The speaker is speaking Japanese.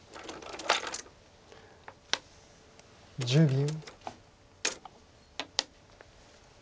１０秒。